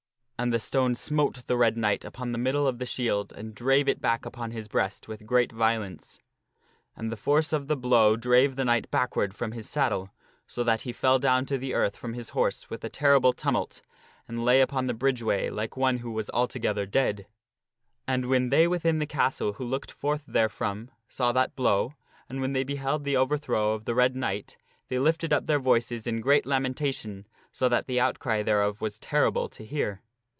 And the stone smote the Red Knight upon the middle of the shield and drave ^rwliktJuRed ^ back upon his breast, with great violence. And the force Knight with a o f the blow drave the knight backward from his saddle, so s that he fell down to the earth from his horse with a terrible tumult and lay upon the bridgeway like one who was altogether dead. And when they within the castle who looked forth therefrom, saw that blow, and when they beheld the overthrow of the Red Knight, they lifted up their voices in great lamentation so that the outcry thereof was terrible to hear.